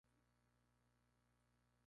Ella ya había recibido amenazas previas.